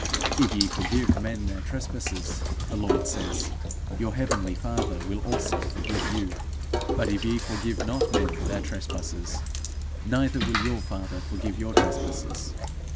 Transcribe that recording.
'If ye forgive men their trespasses,' the Lord says, 'your heavenly father will also forgive you; but if ye forgive not men their trespasses, neither will your father forgive your trespasses.